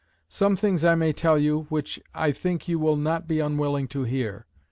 Some things I may tell you, which I think you will not be unwilling to hear.